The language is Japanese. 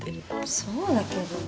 そうだけど。